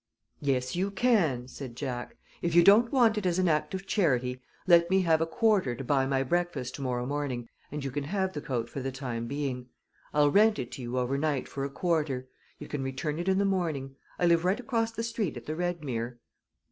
"Yes, you can," said Jack. "If you don't want it as an act of charity, let me have a quarter to buy my breakfast to morrow morning, and you can have the coat for the time being. I'll rent it to you over night for a quarter. You can return it in the morning. I live right across the street at the Redmere."